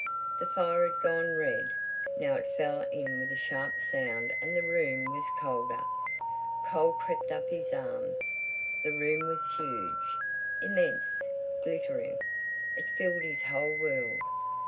The fire had gone red. Now it fell in with a sharp sound and the room was colder. Cold crept up his arms. The room was huge, immense, glittering. It filled his whole world.